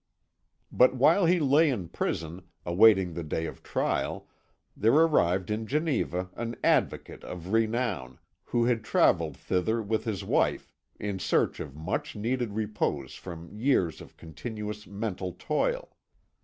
But while he lay in prison, awaiting the day of trial, there arrived in Geneva an Advocate of renown, who had travelled thither with his wife in search of much needed repose from years of continuous mental toil.